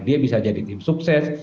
dia bisa jadi tim sukses